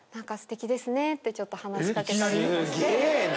すげえな。